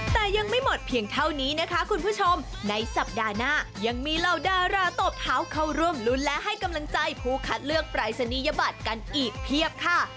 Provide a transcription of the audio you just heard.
แต่ยังไม่หมดเพียงเท่านี้นะคะคุณผู้ชมในสัปดาห์หน้ายังมีเหล่าดาราตบเท้าเข้าร่วมรุ้นและให้กำลังใจผู้คัดเลือกปรายศนียบัตรกันอีกเพียบค่ะ